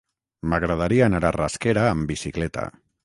M'agradaria anar a Rasquera amb bicicleta.